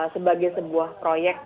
sebagai sebuah proyek